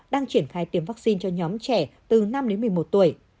đang triển khai tiêm vaccine cho nhóm trẻ từ năm đến một mươi một tuổi